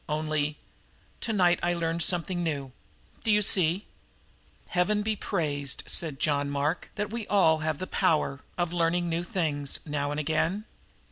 Only tonight I learned something new. Do you see?" "Heaven be praised," said John Mark, "that we all have the power of learning new things, now and again.